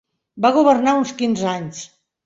Va governar uns quinze anys.